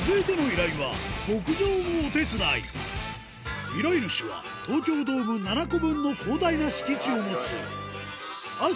オマイガ‼依頼主は東京ドーム７個分の広大な敷地を持つはい！